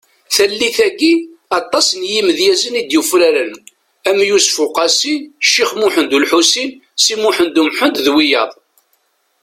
Tallit-agi, aṭas n yimedyazen i d-yufraren am Yusef Uqasi , Cix Muhend Ulḥusin Si Muḥend Umḥend d wiyaḍ .